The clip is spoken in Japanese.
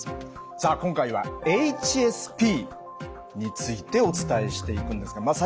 さあ今回はＨＳＰについてお伝えしていくんですがまあ